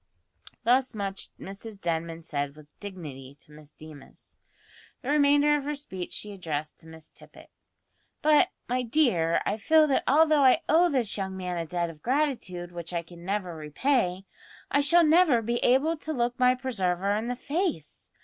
Thus much Mrs Denman said with dignity to Miss Deemas. The remainder of her speech she addressed to Miss Tippet. "But, my dear, I feel that although I owe this young man a debt of gratitude which I can never repay, I shall never be able to look my preserver in the face.